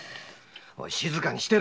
静かにしろ。